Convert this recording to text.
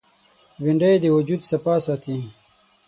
بېنډۍ د وجود صفا ساتي